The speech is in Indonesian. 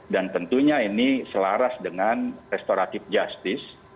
dan tentunya ini selaras dengan restoratif justice